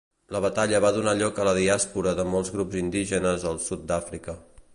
La batalla va donar lloc a la diàspora de molts grups indígenes al sud d'Àfrica.